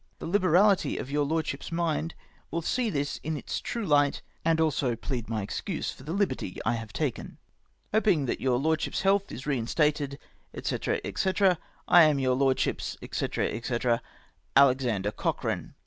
The liberality of your Lordship's mind will see this in its true light, and also plead my excuse for the liberty I have taken. " Hoping that your Lordship's health is reinstated, &c. &c. " I am, your Lordship's, &c. &c. "Alexander Cociikane.